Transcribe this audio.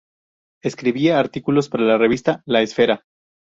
Escribía artículos para la revista "La Esfera".